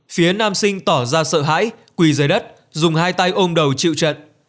phía nam sinh tỏ ra sợ hãi quỳ dưới đất dùng hai tay ôm đầu chịu trận